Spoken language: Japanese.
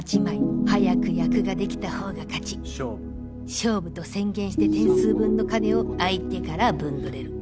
「勝負」と宣言して点数分の金を相手から分捕れる。